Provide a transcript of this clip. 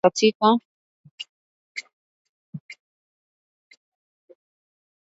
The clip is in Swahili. Matangazo haya ni katika kila nyanja ya habari